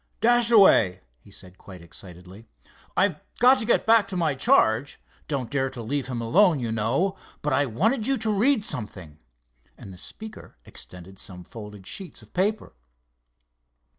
"Dashaway," he said quite excitedly, "I've got to get back to my charge, don't dare to leave him alone, you know but I wanted you to read something," and the speaker extended some folded sheets of paper.